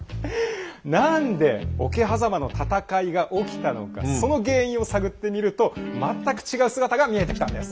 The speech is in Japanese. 何で桶狭間の戦いが起きたのかその原因を探ってみると全く違う姿が見えてきたんです。